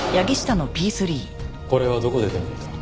これはどこで手に入れた？